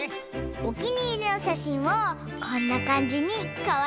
おきにいりのしゃしんをこんなかんじにかわいくかざれるの。